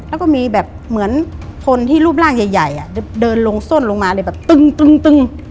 แล้วก็มีแบบเหมือนคนที่รูปร่างใหญ่เดินลงส้นลงมาเลยแบบตึง